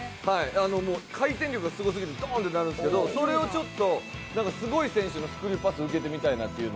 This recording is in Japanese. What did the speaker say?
回転力がすごすぎてドーンってなるんですけどすごい選手のスクリューパスを受けてみたいなという。